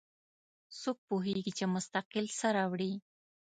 څوک پوهیږي چې مستقبل څه راوړي